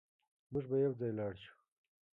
موږ به يوځای لاړ شو